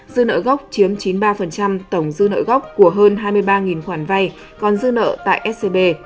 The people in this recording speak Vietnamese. dư nợ gốc chiếm chín mươi ba tổng dư nợ gốc của hơn hai mươi ba khoản vay còn dư nợ tại scb